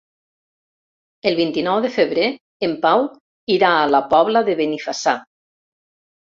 El vint-i-nou de febrer en Pau irà a la Pobla de Benifassà.